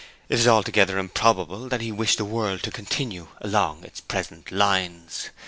It is altogether improbable that He wished the world to continue along its present lines.